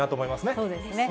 そうですね。